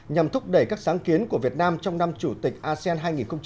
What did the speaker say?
nhằm thúc đẩy các sáng kiến của việt nam trong năm chủ tịch asean hai nghìn hai mươi